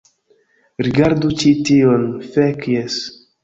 Rigardu ĉi tion. Fek, jes.